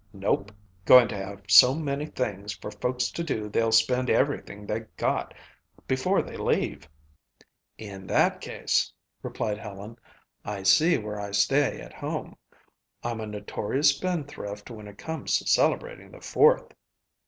"Nope. Goin' to have so many things for folks to do they'll spend everything they got before they leave." "In that case," replied Helen, "I see where I stay at home. I'm a notorious spendthrift when it comes to celebrating the Fourth."